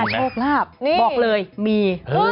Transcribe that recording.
โชคลาภบอกเลยมี